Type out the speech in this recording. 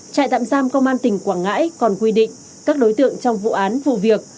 trại tạm giam công an tỉnh quảng ngãi còn quy định các đối tượng trong vụ án vụ việc